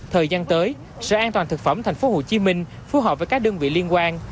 thời gian tới sở an toàn thực phẩm thành phố hồ chí minh phù hợp với các đơn vị liên quan